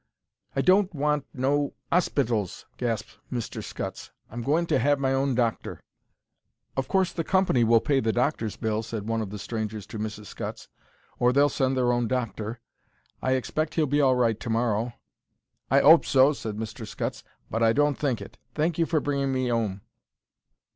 "I don't want—no—'ospitals," gasped Mr. Scutts, "I'm going to have my own doctor." "Of course the company will pay the doctor's bill," said one of the strangers to Mrs. Scutts, "or they'll send their own doctor. I expect he'll be all right to morrow." "I 'ope so," said Mr. Scutts, "but I don't think it. Thank you for bringing of me 'ome."